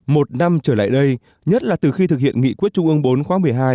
một năm trở lại đây nhất là từ khi thực hiện nghị quyết trung ương bốn khóa một mươi hai